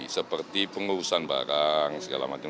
seperti pengurusan barang segala macam